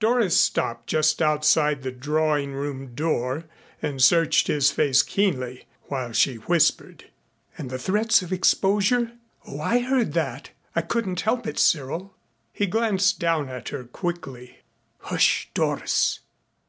Doris stopped just outside the drawing room door and searched his face keenly, while she whispered: "And the threats of exposure. Oh, I heard that. I couldn't help it Cyril " He glanced down at her quickly. "Hush, Doris."